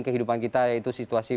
kehidupan kita yaitu situasi